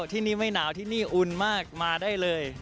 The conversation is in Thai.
ที่นี่ไม่หนาวที่นี่อุ่นมากมาได้เลย